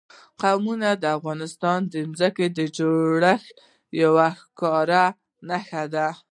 قومونه د افغانستان د ځمکې د جوړښت یوه ښکاره نښه ده.